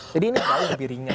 jadi ini lebih ringan